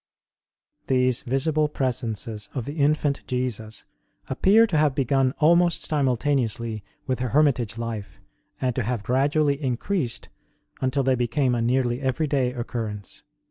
These visible presences of the Infant Jesus appear to have begun almost simultaneously with her hermitage life, and to have gradually increased DIVINE VISITANTS TO HER CELL 153 until they became a nearly everyday occurrence.